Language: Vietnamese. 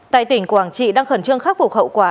tại tỉnh quảng trị đang khẩn trương khắc phục hậu quả